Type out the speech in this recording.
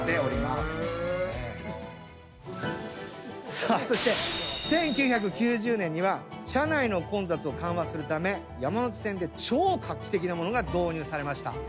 さあそして１９９０年には車内の混雑を緩和するため山手線で超画期的なものが導入されました。